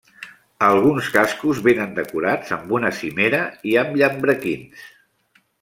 Alguns cascos vénen decorats amb una cimera i amb llambrequins.